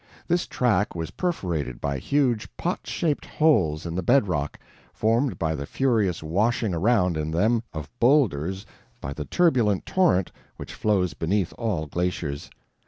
This track was perforated by huge pot shaped holes in the bed rock, formed by the furious washing around in them of boulders by the turbulent torrent which flows beneath all glaciers.